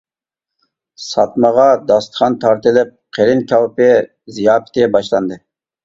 ساتمىغا داستىخان تارتىلىپ قېرىن كاۋىپى زىياپىتى باشلاندى.